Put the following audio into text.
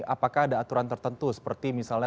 apakah ada aturan tertentu seperti misalnya